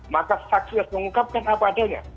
maka saksi harus mengungkapkan apa adanya